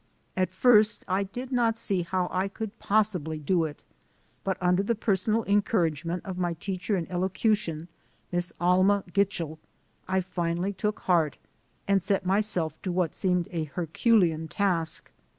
At first I did not see how I could possibly do it, but under the personal encouragement of my teacher in elocution, Miss Alma Gitchel, I finally took heart and set myself to what seemed a Hercu lean task.